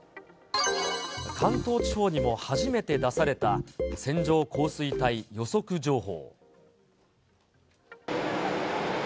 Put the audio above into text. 関東地方にも初めて出された線状降水帯予測情報。